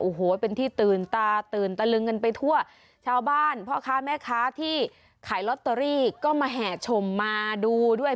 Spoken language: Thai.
โอ้โหเป็นที่ตื่นตาตื่นตะลึงกันไปทั่วชาวบ้านพ่อค้าแม่ค้าที่ขายลอตเตอรี่ก็มาแห่ชมมาดูด้วย